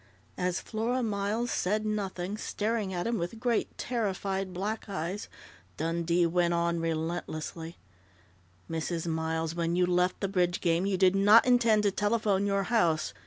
As Flora Miles said nothing, staring at him with great, terrified black eyes, Dundee went on relentlessly: "Mrs. Miles, when you left the bridge game, you did not intend to telephone your house.